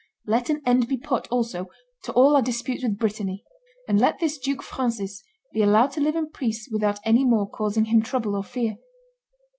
Let an end be put, also, to all our disputes with Brittany, and let this Duke Francis be allowed to live in peace without any more causing him trouble or fear.